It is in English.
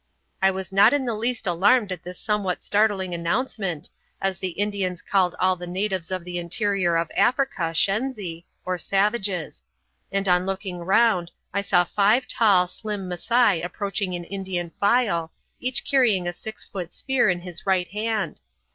I was not in the least alarmed at this somewhat startling announcement, as the Indians called all the natives of the interior of Africa shenzi, or savages; and on looking round I saw five tall, slim Masai approaching in Indian file, each carrying a six foot spear in his right hand.